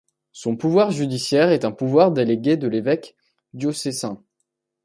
Son pouvoir judiciaire est un pouvoir délégué de l'évêque diocésain.